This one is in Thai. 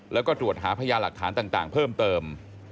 แล้วก็ตรวจหาพยานหลักฐานต่างเพิ่มเติม